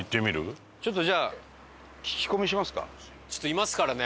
いますからね。